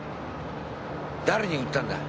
誰に売ったんだ？